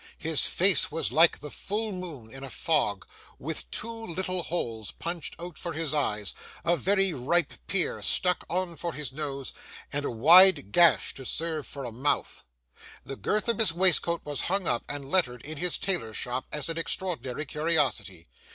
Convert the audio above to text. His face was like the full moon in a fog, with two little holes punched out for his eyes, a very ripe pear stuck on for his nose, and a wide gash to serve for a mouth. The girth of his waistcoat was hung up and lettered in his tailor's shop as an extraordinary curiosity.